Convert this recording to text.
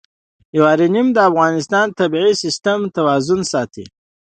یورانیم د افغانستان د طبعي سیسټم توازن ساتي.